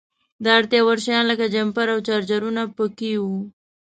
د اړتیا وړ شیان لکه جمپر او چارجرونه په کې وو.